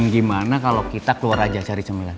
gimana kalo kita keluar aja cari semuanya